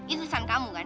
itu tulisan kamu kan